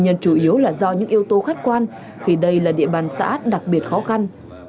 nếu là do những yếu tố khách quan thì đây là địa bàn xã át đặc biệt khó khăn